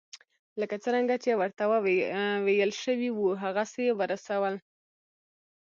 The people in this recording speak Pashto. لکه څرنګه چې ورته ویل شوي وو هغسې یې ورسول.